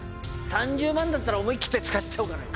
「３０万だったら思いきって使っちゃおうかな」